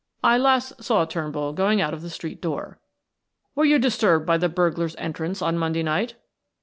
"I last saw Turnbull going out of the street door." "Were you disturbed by the burglar's entrance on Monday night?"